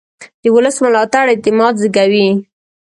د ولس ملاتړ اعتماد زېږوي